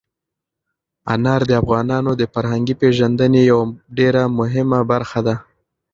انار د افغانانو د فرهنګي پیژندنې یوه ډېره مهمه برخه ده.